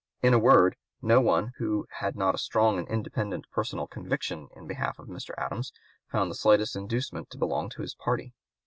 In a word, no one who had not a strong and independent personal conviction in behalf of Mr. Adams found the slightest inducement to belong to his party.